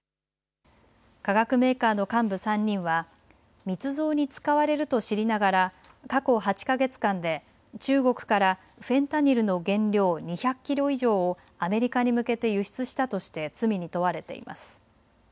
化学メーカーの幹部３人は密造に使われると知りながら過去８か月間で中国からフェンタニルの原料２００キロ以上をアメリカに向けて輸出したとして罪に問われています。